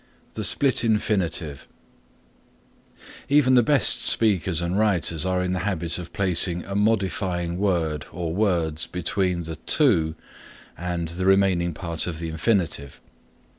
THE SPLIT INFINITIVE Even the best speakers and writers are in the habit of placing a modifying word or words between the to and the remaining part of the infinitive.